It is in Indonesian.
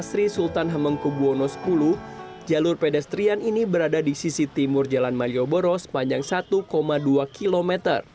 sri sultan hamengkubwono x jalur pedestrian ini berada di sisi timur jalan malioboro sepanjang satu dua km